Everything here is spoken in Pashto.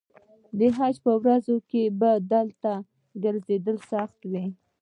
د حج په ورځو کې به دلته ګرځېدل سخت وي.